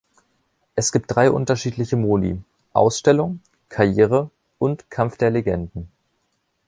Es gibt drei unterschiedliche Modi: „Ausstellung“, „Karriere“ und „Kampf der Legenden“.